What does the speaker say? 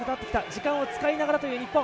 時間を使いながらという日本。